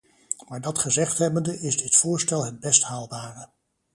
Maar dat gezegd hebbende, is dit voorstel het best haalbare.